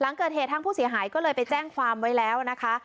หลังเกิดเหตุทางผู้เสียหายก็เลยไปแจ้งความไว้แล้วนะคะ